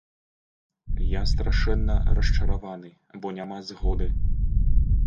Я страшэнна расчараваны, бо няма згоды.